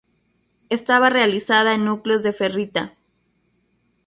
Estaba realizada en núcleos de ferrita.